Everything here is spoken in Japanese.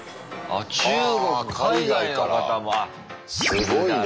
すごいね。